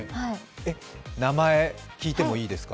名前、聞いてもいいですか？